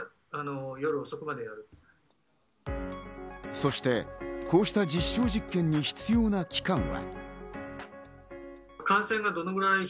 そしてこうした実証実験に必要な期間は。